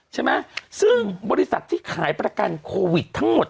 ใช่ไหมซึ่งบริษัทที่ขายประกันโควิดทั้งหมด